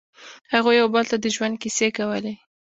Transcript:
هغوی یو بل ته د ژوند کیسې کولې.